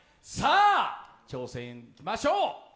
さあ、挑戦しましょう。